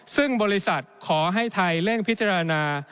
ซึ่งบริษัทขอให้ไทยเร่งพิจารณา